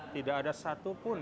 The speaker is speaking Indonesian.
tidak ada satu pun